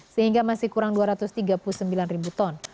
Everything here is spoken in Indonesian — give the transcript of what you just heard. sehingga masih kurang dua ratus tiga puluh sembilan ribu ton